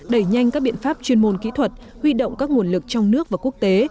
đẩy nhanh các biện pháp chuyên môn kỹ thuật huy động các nguồn lực trong nước và quốc tế